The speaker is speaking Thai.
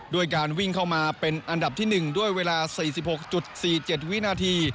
ด้วยการวิ่งเข้ามาเป็นอันดับที่๑ด้วยเวลา๔๖๔๗วินาที